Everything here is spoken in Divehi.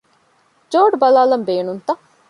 ޖޯޑު ބަލާލަން ބޭނުންތަ؟